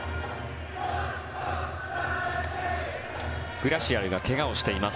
グラシアルが怪我をしています。